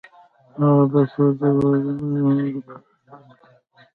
هغه د کور دروازه د میلمنو لپاره پرانیستله.